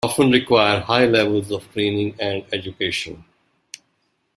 They often require high levels of training and education.